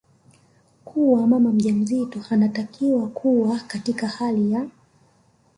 kuwa mama mjamzito anatakiwa kuwa katika hali ya